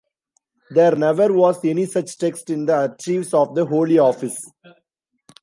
There never was any such text in the archives of the Holy Office.